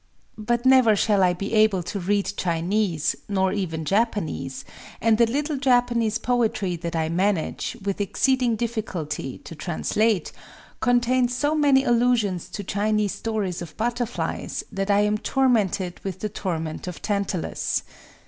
But never shall I be able to read Chinese, nor even Japanese; and the little Japanese poetry that I manage, with exceeding difficulty, to translate, contains so many allusions to Chinese stories of butterflies that I am tormented with the torment of Tantalus...